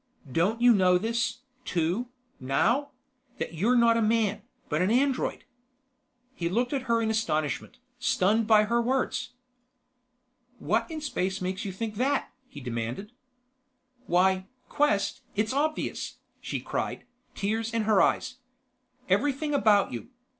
"Don't you know this, too, now: that you're not a man, but an android?" He looked at her in astonishment, stunned by her words. "What in space makes you think that?" he demanded. "Why, Quest, it's obvious," she cried, tears in her eyes. "Everything about you